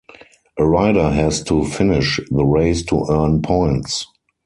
A rider has to finish the race to earn points.